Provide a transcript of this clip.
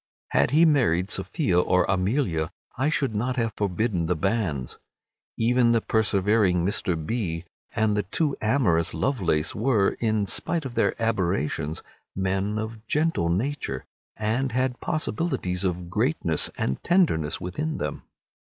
Had he married Sophia or Amelia I should not have forbidden the banns. Even the persevering Mr. B—— and the too amorous Lovelace were, in spite of their aberrations, men of gentle nature, and had possibilities of greatness and tenderness within them.